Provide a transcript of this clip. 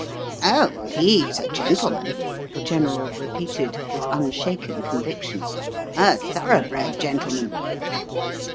"Oh, he's a gentleman," the General repeated, with unshaken conviction: "a thoroughbred gentleman."